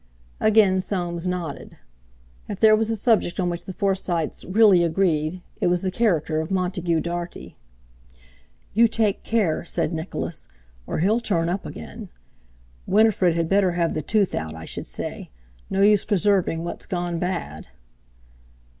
Again Soames nodded. If there was a subject on which the Forsytes really agreed, it was the character of Montague Dartie. "You take care," said Nicholas, "or he'll turn up again. Winifred had better have the tooth out, I should say. No use preserving what's gone bad."